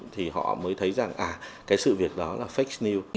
thì họ mới thấy rằng à cái sự việc đó là fake news